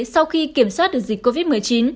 sau khi kiểm soát được dịch covid một mươi chín